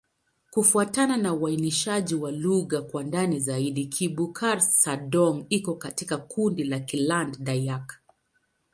Kufuatana na uainishaji wa lugha kwa ndani zaidi, Kibukar-Sadong iko katika kundi la Kiland-Dayak.